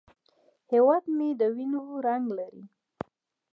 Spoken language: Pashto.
هیواد مې د وینو رنګ لري